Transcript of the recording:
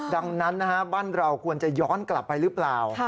ดังนั้นบ้านเราควรจะย้อนกลับไปหรือเปล่า